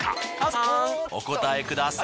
お答えください。